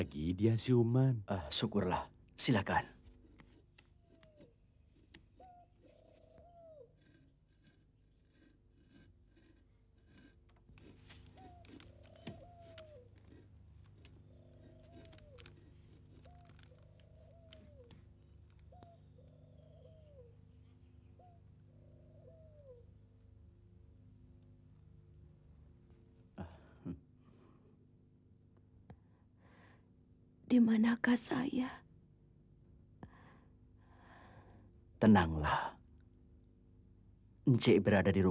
minumlah supaya badan encik segar